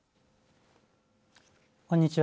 こんにちは。